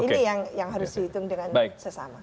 ini yang harus dihitung dengan sesama